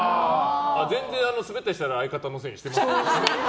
全然、スベったりしたら相方のせいにしてますよ。